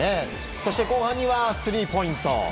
そして後半にはスリーポイント。